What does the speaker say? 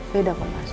beda kok mas